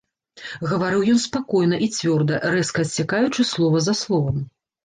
Гаварыў ён спакойна і цвёрда, рэзка адсякаючы слова за словам.